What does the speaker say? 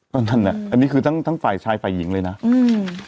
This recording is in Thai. ก็นั่นอ่ะอันนี้คือทั้งทั้งฝ่ายชายฝ่ายหญิงเลยนะอืม